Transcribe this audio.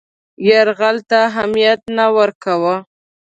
یرغل ته اهمیت نه ورکاوه.